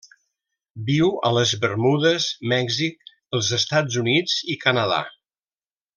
Viu a les Bermudes, Mèxic, els Estats Units i el Canadà.